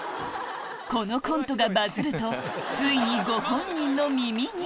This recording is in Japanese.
このコントがバズるとついにご本人の耳に！